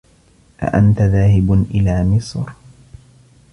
أأنت ذاهب إلى مصر؟